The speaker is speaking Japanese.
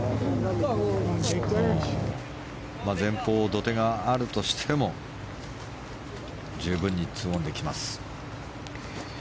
前方、土手があるとしても十分に２オンできます。